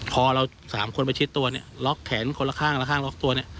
พอเราสามคนประชิดตัวเนี่ยล็อกแขนคนละข้างละข้างล็อกตัวเนี่ย